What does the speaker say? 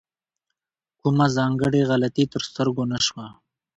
کومه ځانګړې غلطي تر سترګو نه شوه.